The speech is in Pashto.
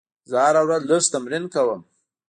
زه هره ورځ لږ تمرین کوم.